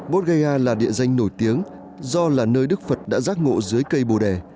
bodh gaya là địa danh nổi tiếng do là nơi đức phật đã giác ngộ dưới cây bồ đề